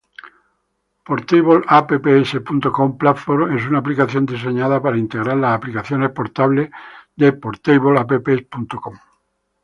PortableApps.com Platform es una aplicación diseñada para integrar las aplicaciones portables de PortableApps.com.